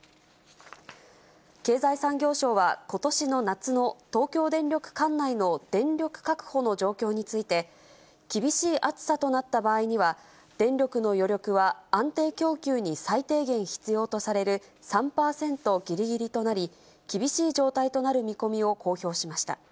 経済産業省は、ことしの夏の東京電力管内の電力確保の状況について、厳しい暑さとなった場合には、電力の余力は安定供給に最低限必要とされる３％ぎりぎりとなり、厳しい状態となる見込みを公表しました。